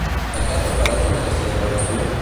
A què es refereix amb aquesta declaració?